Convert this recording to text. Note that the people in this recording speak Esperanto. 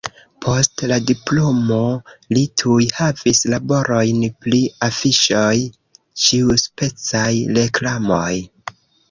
Post la diplomo li tuj havis laborojn pri afiŝoj, ĉiuspecaj reklamoj.